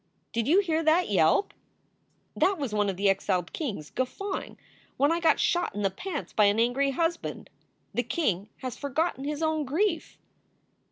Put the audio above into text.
Did you hear that yelp? That was one of the exiled kings guffawing when I got shot in the pants by an angry husband. The king has forgotten his own grief."